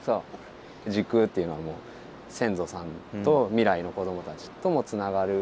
時空っていうのは先祖さんと未来の子どもたちともつながる。